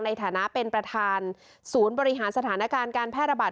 ในฐานะเป็นประธานศูนย์บริหารสถานการณ์การแพร่ระบาด